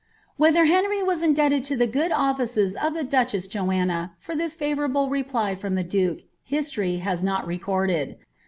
' Whether Henry was indebted lo the good offices oT the dndieHJomn for i)iis favourable reply from the duke, history has not reconleil.